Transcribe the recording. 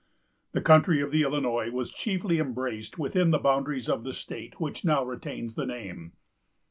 The country of the Illinois was chiefly embraced within the boundaries of the state which now retains the name.